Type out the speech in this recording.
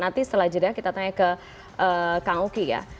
nanti setelah itu kita tanya ke kang uki